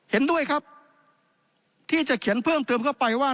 เห็นด้วยครับที่จะเขียนเพิ่มเติมเข้าไปว่า